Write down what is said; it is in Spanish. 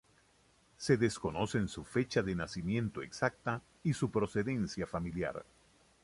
Se desconocen su fecha de nacimiento exacta y su procedencia familiar.